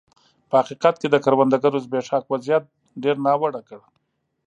په حقیقت کې د کروندګرو زبېښاک وضعیت ډېر ناوړه کړ.